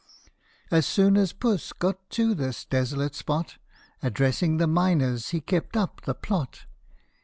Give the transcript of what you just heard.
As soon as Puss got to this desolate spot, Addressing the miners, he kept up the plot.